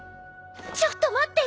ちょっと待ってよ。